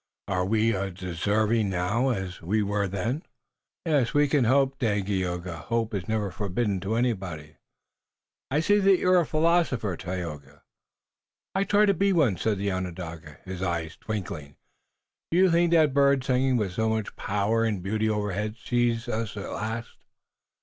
Are we as deserving now as we were then?" "Yes, we can hope, Dagaeoga. Hope is never forbidden to anybody." "I see that you're a philosopher, Tayoga." "I try to be one," said the Onondaga, his eyes twinkling. "Do you think that bird singing with so much power and beauty overhead sees us at last?"